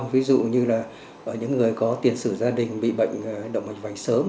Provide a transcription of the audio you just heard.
ví dụ như là những người có tiền sử gia đình bị bệnh động hành vành sớm